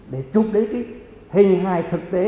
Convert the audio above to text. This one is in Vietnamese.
để chụp đến cái hình hài thực tế